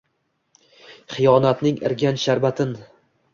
Xiyonatning irganch sharbatin.